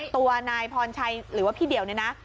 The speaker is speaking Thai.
ตัวนายพรชัยหรือว่าพี่เดี่ยวเนี่ยนะ